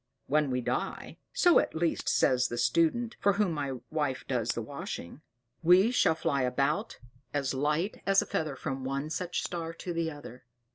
When we die so at least says the student, for whom my wife does the washing we shall fly about as light as a feather from one such a star to the other.